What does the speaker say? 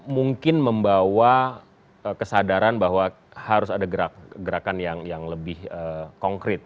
mungkin membawa kesadaran bahwa harus ada gerakan yang lebih konkret